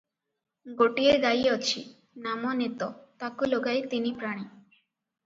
ଗୋଟିଏ ଗାଈ ଅଛି, ନାମ ନେତ, ତାକୁ ଲଗାଇ ତିନିପ୍ରାଣୀ ।